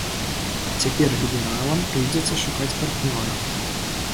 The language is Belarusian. Цяпер лібералам прыйдзецца шукаць партнёра.